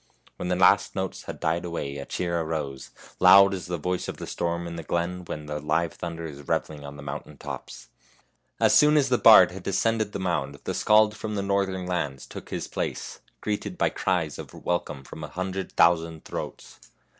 When the last notes had died away a cheer arose, loud as the voice of the storm in the glen when the live thunder is reveling on the mountain tops. As soon as the bard had descended the THE HUNTSMAN'S SON 93 mound the Skald from the northern lands took his place, greeted by cries of welcome from a hundred thousand throats.